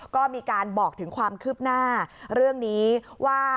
ก็มีการบอกถึงความคืบหน้าเรื่องนี้ว่า